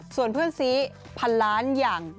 ส่วนเพื่อนซีพันล้านอย่าง